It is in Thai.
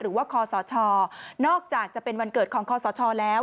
หรือว่าคศนอกจากจะเป็นวันเกิดของคศแล้ว